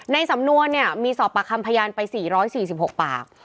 ในสำนวนเนี่ยมีสอบประคัมพยานไป๔๔๖ป่า